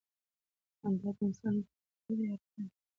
خندا د انسان فطري اړتیا ده.